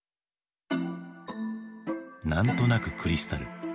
「なんとなく、クリスタル」。